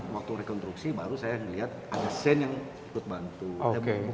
waktu rekonstruksi baru saya melihat ada sen yang ikut bantu